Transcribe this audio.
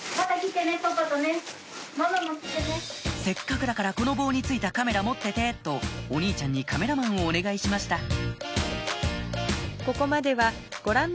せっかくだからこの棒に付いたカメラ持っててとお兄ちゃんにカメラマンをお願いしました